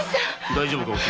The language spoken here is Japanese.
大丈夫か？